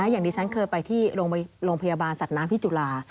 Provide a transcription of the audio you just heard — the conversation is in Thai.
อย่างที่ฉันเคยไปที่โรงพยาบาลสัตว์น้ำที่จุฬา